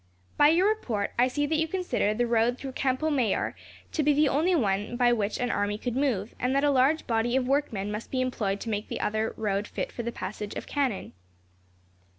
By your report, I see that you consider the road through Campo Mayor to be the only one by which an army could move, and that a large body of workmen must be employed to make the other road fit for the passage of cannon."